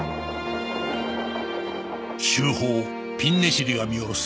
秀峰ピンネシリが見下ろす